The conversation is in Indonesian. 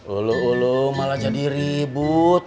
ulu ulu malah jadi ribut